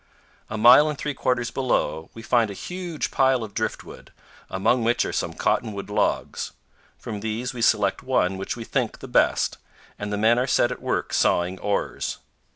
A mile and three quarters below, we find 216 CANYONS OF THE COLORADO. a huge pile of driftwood, among which are some cottonwood logs. From these we select one which we think the best, and the men are set at work sawing oars.